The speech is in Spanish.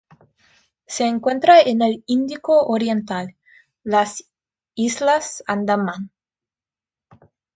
Se encuentra en el Índico oriental: las Islas Andamán.